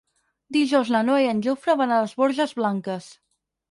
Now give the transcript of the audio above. Dijous na Noa i en Jofre van a les Borges Blanques.